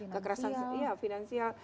kekerasan ya finansial